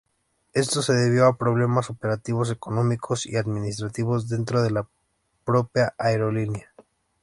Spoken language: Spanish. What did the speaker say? Esto se debió a problemas operativos, económicos y administrativos dentro de la propia aerolínea.